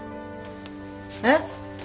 えっ。